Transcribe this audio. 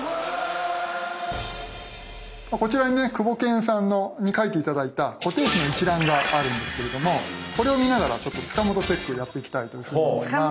こちらにねクボケンさんに書いて頂いた固定費の一覧があるんですけれどもこれを見ながら塚本チェックをやっていきたいというふうに思います。